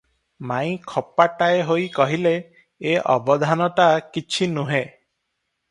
ମାଇଁ ଖପାଟାଏ ହୋଇ କହିଲେ, "ଏ ଅବଧାନଟା କିଛି ନୁହେ ।